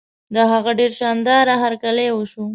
د هغه ډېر شان داره هرکلی وشو.